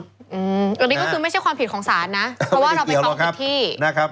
อันนี้ก็คือไม่ใช่ความผิดของศาลนะเพราะว่าเราไปฟ้องผิดที่นะครับ